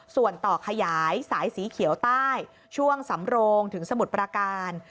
ส่วนต่อขยายสายสีเขียวใต้ช่วงสำโรงถึงสมุทรประการ